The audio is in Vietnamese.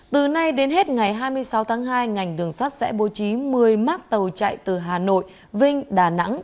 từ nay đến hết ngày hai mươi sáu tháng hai ngành đường sắt sẽ bố trí một mươi mác tàu chạy từ hà nội vinh đà nẵng